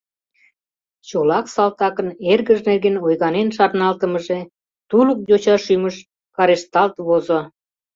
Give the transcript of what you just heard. Чолак салтакын эргыж нерген ойганен шарналтымыже тулык йоча шӱмыш карешталт возо.